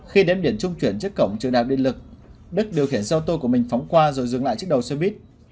khi đếm điển trung chuyển trước cổng trừ đạp điện lực đức điều khiển xe ô tô của mình phóng qua rồi dừng lại trước đầu xe buýt